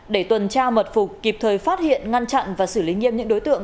để tuần tra mật phục kịp thời phát hiện ngăn chặn và xử lý nghiêm những đối tượng